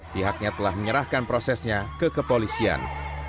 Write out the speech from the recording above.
pihaknya telah menyerahkan prosesnya ke kepolisian